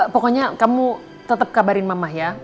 pokoknya kamu tetap kabarin mamah ya